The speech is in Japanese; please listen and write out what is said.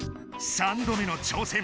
３度目の挑戦。